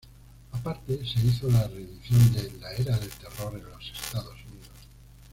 Aparte, se hizo la reedición de "La era del terror" en los Estados Unidos.